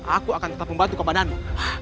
aku akan tetap membantu kaman anu